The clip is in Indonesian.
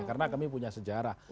karena kami punya sejarah